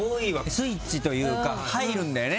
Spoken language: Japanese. スイッチというか入るんだよね。